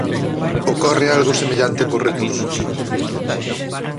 Ocorre algo semellante cos recursos?